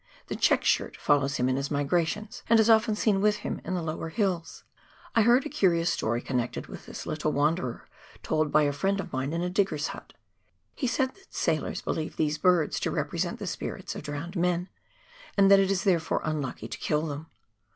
The " check shirt " follows him in his migrations, and is often seen with him in the lower hills. I heard a curious story connected with this little wanderer, told by a friend of mine in a digger's hut. He said that sailors believe these birds to represent the spirits of drowned men, and that it is therefore unlucky to kill them.